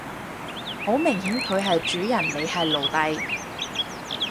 好明顯佢係主人你係奴隸